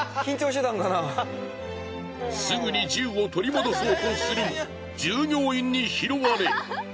すぐに銃を取り戻そうとするも従業員に拾われ。